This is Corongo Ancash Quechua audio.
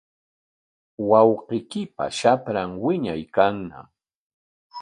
Wawqiykipa shapran wiñaykanñam.